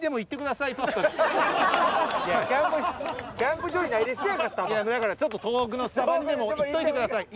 だからちょっと遠くの「スタバ」にでも行っといてください。